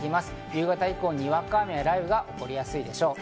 夕方以降、にわか雨や雷雨が起こりやすいでしょう。